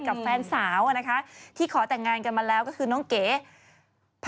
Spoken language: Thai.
เราก็ฟังในมุมของคุณพ่อ